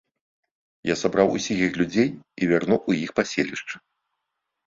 Я сабраў усіх іх людзей і вярнуў у іх паселішчы.